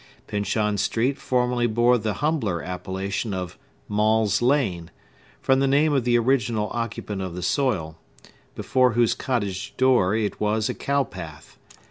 Pyncheon Street formerly bore the humbler appellation of Maule's Lane, from the name of the original occupant of the soil, before whose cottage door it was a cow path.